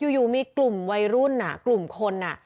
อยู่มีกลุ่มวัยรุ่นกลุ่มคน